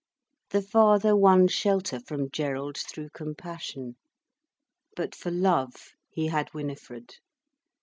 The father won shelter from Gerald through compassion. But for love he had Winifred.